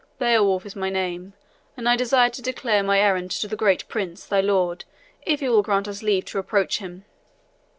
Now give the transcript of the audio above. "Beowulf is my name, and I desire to declare my errand to the great prince, thy lord, if he will grant us leave to approach him."